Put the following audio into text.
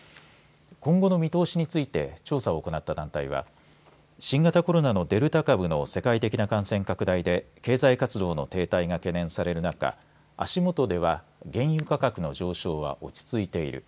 今後の見通しについて調査を行った団体は新型コロナのデルタ株の世界的な感染拡大で経済活動の停滞が懸念される中、足元では原油価格の上昇は落ち着いている。